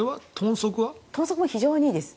豚足は非常にいいです。